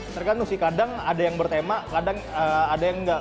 kadang kadang sih kadang ada yang bertema kadang ada yang nggak